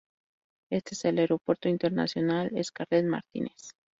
Este es el Aeropuerto Internacional Scarlett Martínez.